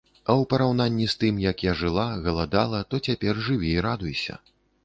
А ў параўнанні з тым, як я жыла, галадала, то цяпер жыві і радуйся.